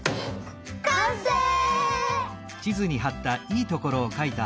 かんせい！